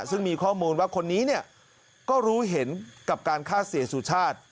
ซึ่งมีข้อมูลว่าคนนี้เนี่ยก็รู้เห็นกับการฆ่าเสียสุชาติ